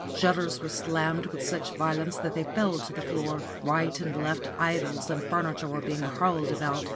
Shutters were slammed with such violence that they fell to the floor ; right and left idols and furniture were being hurled about.